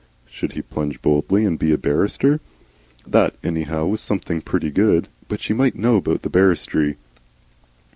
Should he plunge boldly and be a barrister? That anyhow was something pretty good. But she might know about barristry.